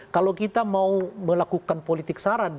kalau kita mau melakukan politik saran